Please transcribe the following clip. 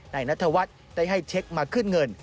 นายนัทวัฒน์ได้ให้เช็คมาขึ้นเงิน